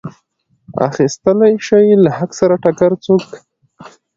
اخیستلی شي له حق سره ټکر څوک.